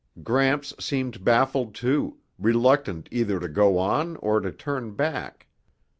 Gramps seemed baffled, too, reluctant either to go on or to turn back.